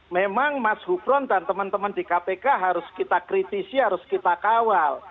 memang mas gupron dan teman teman di kpk harus kita kritisi harus kita kawal